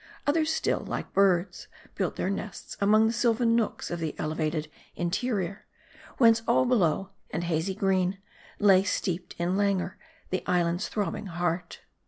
Others still, like birds, built their nests among the sylvan nooks of the elevated interior ; whence all below, and hazy green, lay steeped in languor the island's throbbing heart.